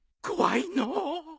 怖いのう。